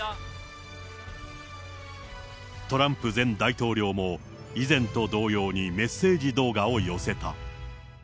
トランプ前大統領も以前と同様にメッセージ動画を寄せた。